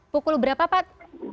pukul berapa pak